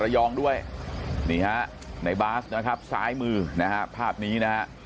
ยองด้วยนี่ฮะในบาสนะครับซ้ายมือนะฮะภาพนี้นะฮะ